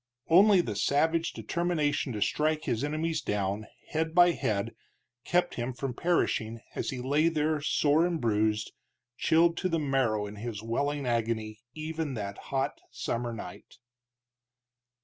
Only the savage determination to strike his enemies down, head by head, kept him from perishing as he lay there sore and bruised, chilled to the marrow in his welling agony even that hot summer night.